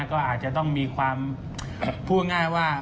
ก็อาจจะต้องมีความพูดง่ายว่า